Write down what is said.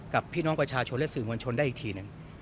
กับพี่น้องประชาชนและสื่อมวลชนได้อีกทีหนึ่ง